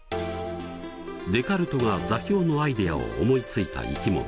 デカルトが座標のアイデアを思いついた生き物。